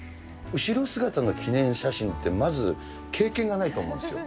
後ろ姿の記念写真って、まず経験がないと思うんですよ。